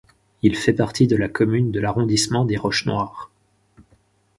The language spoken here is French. Il fait partie de la commune de l'arrondissement des Roches noires.